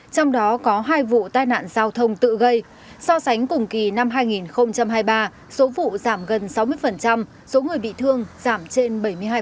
trong đó có hai vụ tai nạn giao thông tự gây so sánh cùng kỳ năm hai nghìn hai mươi ba số vụ giảm gần sáu mươi số người bị thương giảm trên bảy mươi hai